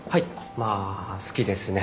まあ好きですね。